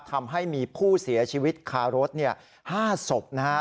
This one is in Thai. ทำให้มีผู้เสียชีวิตคารถ๕ศพนะฮะ